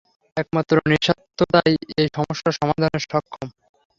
একমাত্র নিঃস্বার্থতাই এই সমস্যার সমাধানে সক্ষম।